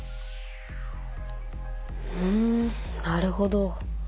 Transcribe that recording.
ふんなるほど。